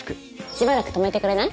しばらく泊めてくれない？